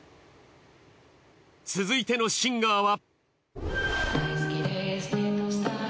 続いてのシンガーは。